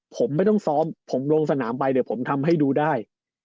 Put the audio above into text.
ผมไม่ต้องซ้อมผมลงสนามไปเดี๋ยวผมทำให้ดูได้